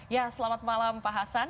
ya selamat malam pak hasan